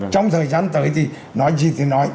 trong thời gian tới thì nói gì thì nói